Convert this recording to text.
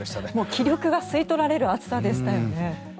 気力が吸い取られる暑さでしたよね。